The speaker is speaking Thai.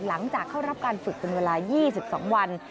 หลังจากเข้ารับการฝึกเป็นเวลา๒๒วัน